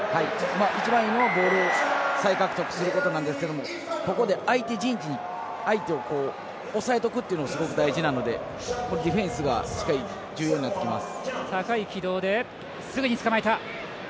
一番いいのはボールを再獲得することなんですがここで相手陣地に相手をおさえておくというのがすごく大事なのでディフェンスがしっかり重要になってきます。